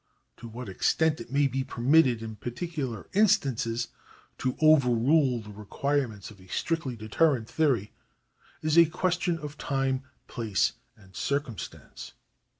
To what extent it may be permitted in particular instances to overrule the requirements of a strictly deterrent theory is a question of time, place, and circum stance.